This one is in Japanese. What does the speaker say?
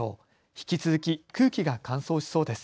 引き続き空気が乾燥しそうです。